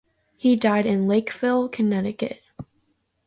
He died in Lakeville, Connecticut.